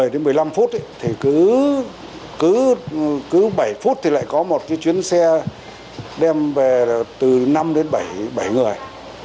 đến một mươi năm phút thì cứ bảy phút thì lại có một cái chuyến xe đem về từ năm đến bảy người